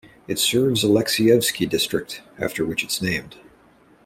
It serves Alexeyevsky District, after which it's named.